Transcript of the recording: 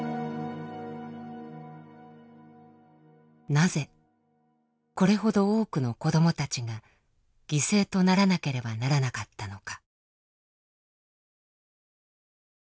なぜこれほど多くの子どもたちが犠牲とならなければならなかったのか。